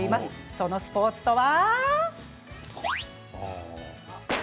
そのスポーツとは。